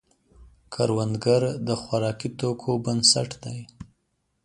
کروندګر د خوراکي توکو بنسټ دی